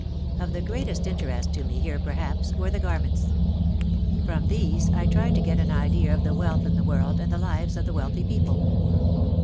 Of the greatest interest to me here perhaps were the garments. From these I tried to get an idea of the wealth in the world and the lives of the wealthy people.